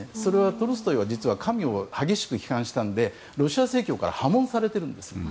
トルストイは実は神を激しく批判したのでロシア正教から破門されているんです。